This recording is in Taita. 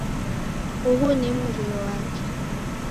Uhu ni mrio wake.